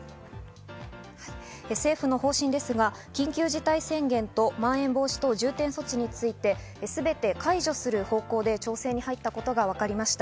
政府の方針ですが、緊急事態宣言とまん延防止等重点措置について、全て解除する方向で調整に入ったことがわかりました。